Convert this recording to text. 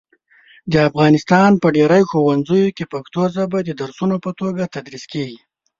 د افغانستان په ډېری ښوونځیو کې پښتو ژبه د درسونو په توګه تدریس کېږي.